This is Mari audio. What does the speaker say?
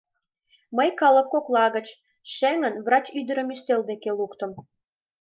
Мый, калык кокла гыч, шеҥын, врач ӱдырым ӱстел деке луктым.